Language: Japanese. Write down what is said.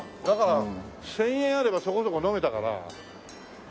だから１０００円あればそこそこ飲めたから。